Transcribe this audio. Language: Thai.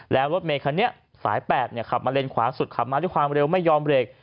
แล้วรถเมคันนี้สาย๘ขับมาเลนขวาสุดขับมาด้วยความเร็วไม่ยอมเบรก